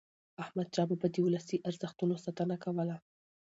احمدشاه بابا د ولسي ارزښتونو ساتنه کوله.